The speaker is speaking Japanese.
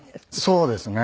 そうですね。